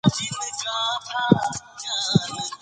هغه په موشک کارېز کې اوسېده.